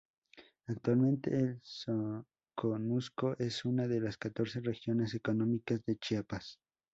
Actualmente el Soconusco es una de las catorce regiones económicas de Chiapas.